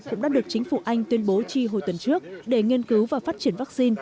cũng đã được chính phủ anh tuyên bố chi hồi tuần trước để nghiên cứu và phát triển vaccine